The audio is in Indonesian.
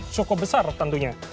coklat besar tentunya